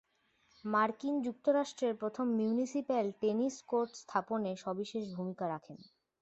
মার্কিন যুক্তরাষ্ট্রের প্রথম মিউনিসিপ্যাল টেনিস কোর্ট স্থাপনে সবিশেষ ভূমিকা রাখেন।